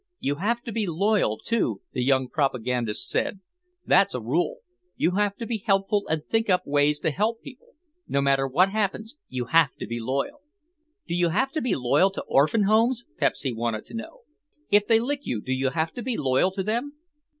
"You have to be loyal, too," the young propagandist said; "that's a rule. You have to be helpful and think up ways to help people. No matter what happens you have to be loyal." "Do you have to be loyal to orphan homes?" Pepsy wanted to know. "If they lick you do you have to be loyal to them?"